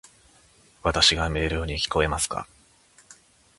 わたし（の声）が明瞭に聞こえますか？